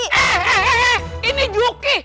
eh eh eh ini juki